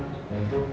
sudah bener kan